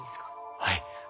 はい。